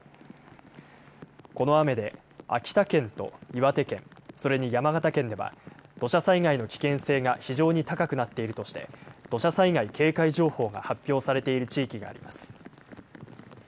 この雨で秋田県と岩手県、それに山形県では土砂災害の危険性が非常に高くなっているとして土砂災害警戒情報が発表されている地域があります。